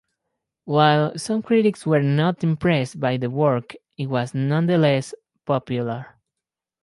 While some critics were not impressed by the work, it was nonetheless popular.